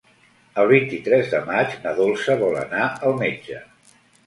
El vint-i-tres de maig na Dolça vol anar al metge.